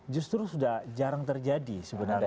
justru sudah jarang terjadi sebenarnya